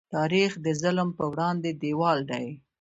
تاریخ د ظلم په وړاندې دیوال دی.